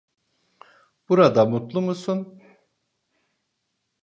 Burada mutlu musun?